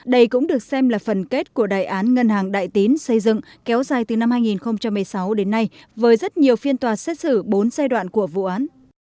đây cũng được xem là phần kết của đại án ngân hàng đại tín xây dựng kéo dài từ năm hai nghìn một mươi sáu đến nay với rất nhiều phiên tòa xét xử bốn giai đoạn của vụ án